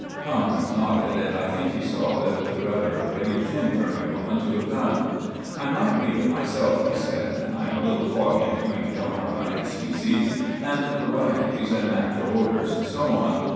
Tomkins nodded, and I think he saw that it was rather a grave thing for Macmullen to have done. "I might read it myself," he said. "I'm a little foggy between genera and species, and varieties and natural orders, and so on.